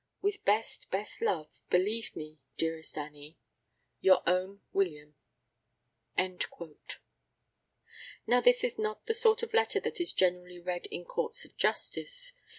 With best, best love, believe me, dearest Annie, Your own WILLIAM." Now this is not the sort of letter that is generally read in courts of justice.